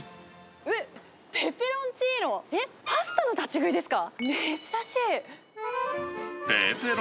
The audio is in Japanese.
えっ、ペペロンチーノ、えっ、パスタの立ち食いですか？